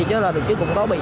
chứ là đường trước cũng có bị